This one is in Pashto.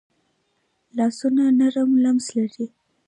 لاسونه نرم لمس لري